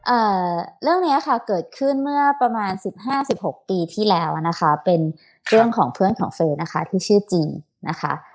เอ่อเรื่องเนี้ยค่ะเกิดขึ้นเมื่อประมาณสิบห้าสิบหกปีที่แล้วนะคะเป็นเรื่องของเพื่อนของเฟิร์นนะคะที่ชื่อจีนะคะ